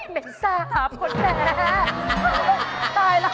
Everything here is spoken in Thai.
เมสาบคุณแพ้